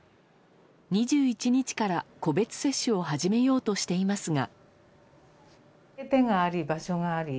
２１日から個別接種を始めようとしていますが。